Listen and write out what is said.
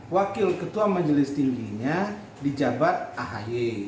wakil ketua majelis tingginya di jabat ahy